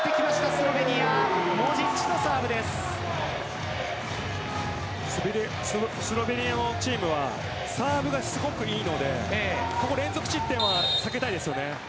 スロベニアスロベニアのチームはサーブがすごくいいので連続失点は避けたいですよね。